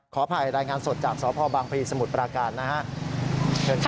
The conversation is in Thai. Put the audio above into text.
ขออภัยรายงานสดจากสพบางพลีสมุทรปราการนะครับ